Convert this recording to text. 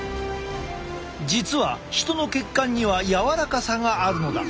実は人の血管には柔らかさがあるのだ。